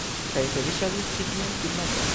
Kaj se vi ŝatis ĉi tiun filmeton